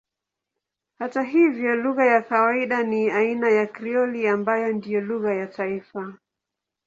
Hata hivyo lugha ya kawaida ni aina ya Krioli ambayo ndiyo lugha ya taifa.